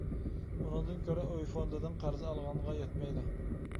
ئۇنىڭدىن كۆرە ئۆي فوندىدىن قەرز ئالغانغا يەتمەيدۇ.